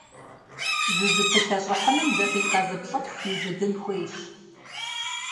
ЗызыпылъэщӀыхьыным дакъикъэ зыплӏытху иубыдын хуейщ.